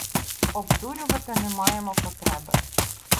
Обдурювати не маємо потреби.